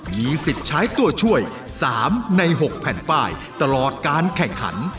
มีสิทธิ์ใช้ตัวช่วย๓ใน๖แผ่นป้ายตลอดการแข่งขัน